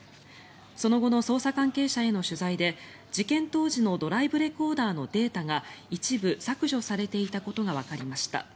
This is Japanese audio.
その後の捜査関係者への取材で事件当時のドライブレコーダーのデータが一部、削除されていたことがわかりました。